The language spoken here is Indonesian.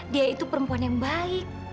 dia itu perempuan yang baik